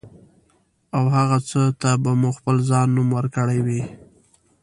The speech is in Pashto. او هغه څه ته به مو خپل ځان نوم ورکړی وي.